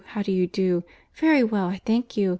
How do you do?—Very well, I thank you.